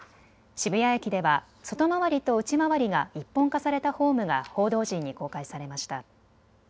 渋谷駅では外回りと内回りが一本化されたホームが報道陣に公開されました。